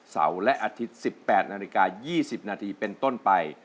เสาร์และอาทิตย์๑๘นาฬิกา๒๐นาทีเป็นต้นไป